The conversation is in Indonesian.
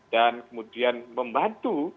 dan kemudian membantu